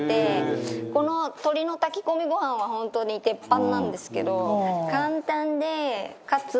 この鶏の炊き込みご飯は本当に鉄板なんですけど簡単でかつ。